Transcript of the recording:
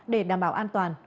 để đảm bảo an toàn